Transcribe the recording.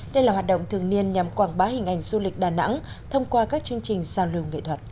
đây là hoạt động thường niên nhằm quảng bá hình ảnh du lịch đà nẵng thông qua các chương trình giao lưu nghệ thuật